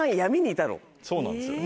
そうなんですよ。